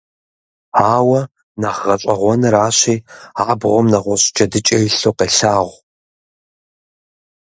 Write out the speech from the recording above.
Ауэ, нэхъ гъэщӀэгъуэныращи, абгъуэм нэгъуэщӀ джэдыкӀэ илъу къелъагъу.